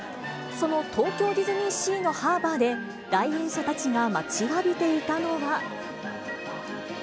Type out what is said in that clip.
その東京ディズニーシーのハーバーで、来園者たちが待ちわびていたのは。